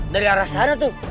dari arah sana tuh